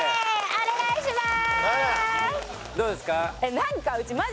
お願いします。